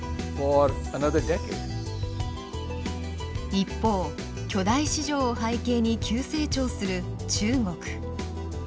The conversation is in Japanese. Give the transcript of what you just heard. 一方巨大市場を背景に急成長する中国。